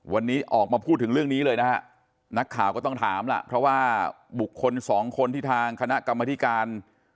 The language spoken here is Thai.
วันนี้ออกมาพูดถึงเรื่องนี้เลยนะฮะนักข่าวก็ต้องถามล่ะเพราะว่าบุคคลสองคนที่ทางคณะกรรมธิการ